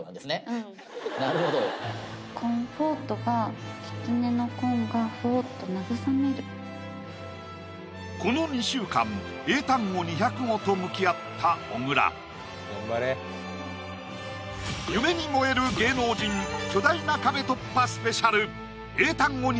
うんなるほどこの２週間英単語２００語と向き合った小倉夢に燃える芸能人巨大な壁突破ＳＰ